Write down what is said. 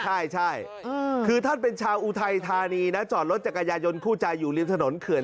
ใช่คือท่านเป็นชาวอุทัยธานีนะจอดรถจักรยายนคู่ใจอยู่ริมถนนเขื่อน